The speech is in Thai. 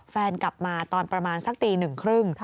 แฟนกลับมาตอนประมาณสักตีหนึ่งครึ่ง